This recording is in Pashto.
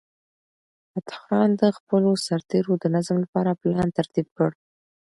فتح خان د خپلو سرتیرو د نظم لپاره پلان ترتیب کړ.